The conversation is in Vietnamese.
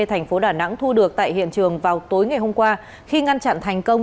thành phố đà nẵng thu được tại hiện trường vào tối ngày hôm qua khi ngăn chặn thành công